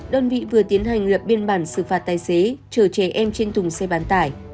đơn vị vừa tiến hành lập biên bản xử phạt tài xế chờ trẻ em trên thùng xe bán tải